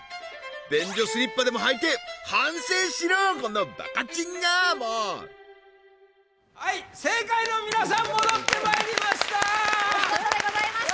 便所スリッパでも履いて反省しろこのバカチンがもうはい正解の皆さん戻ってまいりましたお見事でございました